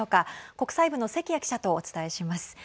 国際部の関谷記者とお伝えします。